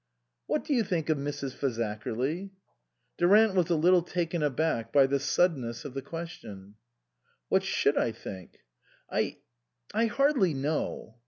"What do you think of Mrs. Fazakerly ?" Durant was a little taken aback by the sud denness of the question. "What should I think?" "I I hardly know."